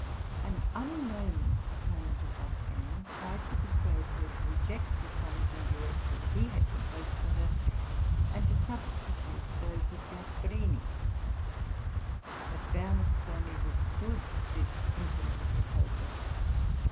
An unknown opponent of Wolfgang tried to persuade her to reject the songs and duets which he had composed for her, and to substitute those of Gasparini. But Bernasconi withstood this infamous proposal.